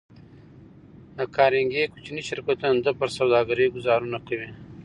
د کارنګي کوچني شرکتونه د ده پر سوداګرۍ ګوزارونه کوي